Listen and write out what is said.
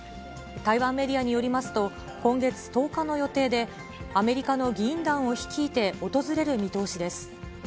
台湾メディアによりますと、今月１０日の予定で、アメリカの議員団を率いて訪れる見通しです。